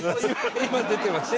「出てます